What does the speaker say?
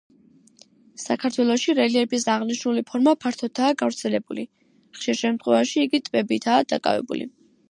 საქართველოში რელიეფის აღნიშნული ფორმა ფართოდაა გავრცელებული, ხშირ შემთხვევაში იგი ტბებითაა დაკავებული.